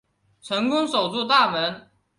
成功守住大门